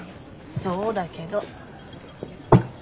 そうだけど。